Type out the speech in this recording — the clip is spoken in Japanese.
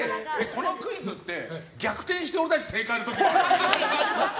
このクイズって逆転して俺たち正解の時あるの？